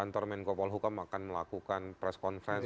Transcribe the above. kantor menko polhukam akan melakukan press conference